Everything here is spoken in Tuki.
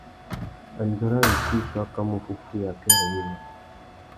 Andjara rissú i su akamú uffúffüiya akêrê yïmá.